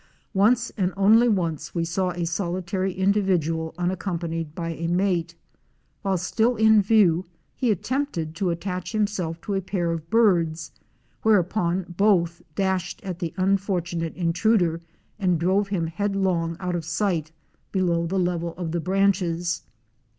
Once and only once we saw a soli tary individual unaccompanied by a mate. While still in view he attempted to attach himself to a pair of birds, where upon both dashed at the unfortunate intruder and drove him headlong out of sight below the level of the branches.